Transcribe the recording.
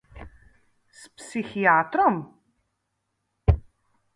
S psihiatrom?